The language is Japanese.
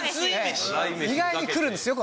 意外にくるんですよ